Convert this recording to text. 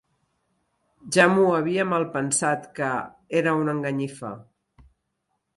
Ja m'ho havia malpensat, que era una enganyifa.